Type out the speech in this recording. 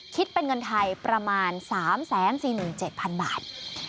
คิดเป็นเงินไทยประมาณ๓๔๗๐๐บาท